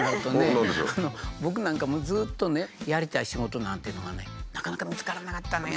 僕なんかもずっとねやりたい仕事なんていうのがねなかなか見つからなかったのよ。